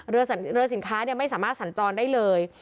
เรือสินค้าไม่สามารถสัญจรได้เลย